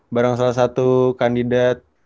barang salah satu kandidat